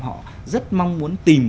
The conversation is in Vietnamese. họ rất mong muốn tìm